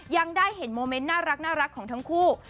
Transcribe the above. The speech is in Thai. ยังได้เห็นโมเมนต์น่ารักของทั้งคู่